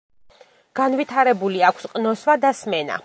განვითარებული აქვს ყნოსვა და სმენა.